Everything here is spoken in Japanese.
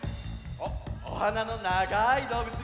おっおはなのながいどうぶつ。